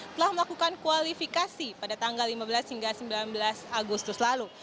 telah melakukan kualifikasi pada tanggal lima belas hingga sembilan belas agustus lalu